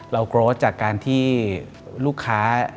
โกรธจากการที่ลูกค้า